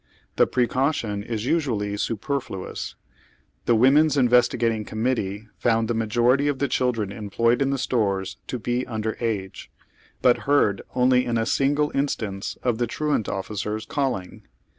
The precaution is usually super fluous. Tiie Women's Investigating Coiniuittee found tlie majority of the childi'en employed in the stores to be un der age, but heard only in a single instance of the ti'uant officers calling.